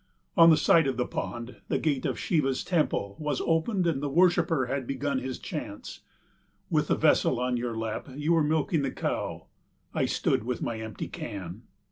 On the side of the pond the gate of Shiva's temple was opened and the worshipper had begun his chants. With the vessel on your lap you were milking the cow. I stood with my empty can.